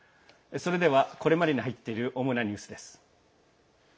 それではこれまでに入っている主なニュースです。